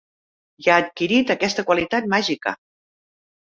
Ja ha adquirit aquesta qualitat màgica